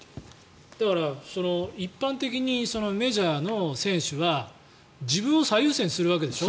だから、一般的にメジャーの選手は自分を最優先するわけでしょ。